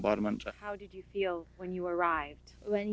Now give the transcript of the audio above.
bagaimana perasaan anda ketika anda menarik ke sini